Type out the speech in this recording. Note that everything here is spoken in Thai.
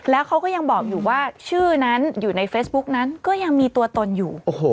แล้วเขาก็ยังบอกอยู่ว่าชื่อนั้นอยู่ในเฟซบุ๊กนั้นก็ยังมีตัวตนอยู่